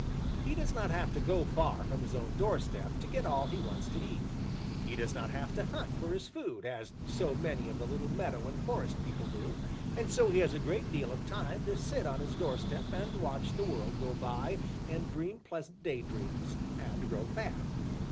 He does not have to go far from his own doorstep to get all he wants to eat. He does not have to hunt for his food, as so many of the little meadow and forest people do, and so he has a great deal of time to sit on his doorstep and watch the world go by and dream pleasant daydreams and grow fat.